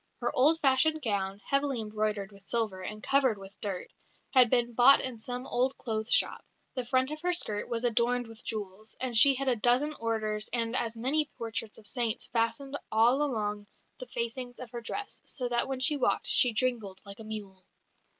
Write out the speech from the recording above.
Her old fashioned gown, heavily embroidered with silver, and covered with dirt, had been bought in some old clothes shop. The front of her skirt was adorned with jewels, and she had a dozen orders and as many portraits of saints fastened all along the facings of her dress, so that when she walked she jingled like a mule."